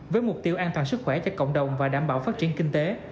với mục tiêu an toàn sức khỏe cho cộng đồng và đảm bảo phát triển kinh tế